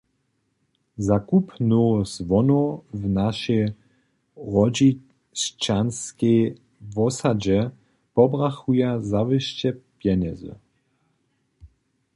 Za kup nowych zwonow w našej Hrodźišćanskej wosadźe pobrachuja zawěsće pjenjezy.